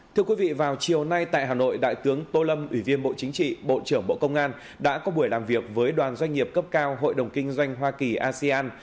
thưa quý vị vào chiều nay tại hà nội đại tướng tô lâm ủy viên bộ chính trị bộ trưởng bộ công an đã có buổi làm việc với đoàn doanh nghiệp cấp cao hội đồng kinh doanh hoa kỳ asean